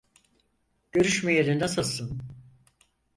Görüşmeyeli nasılsın?